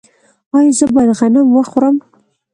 ایا زه باید غنم وخورم؟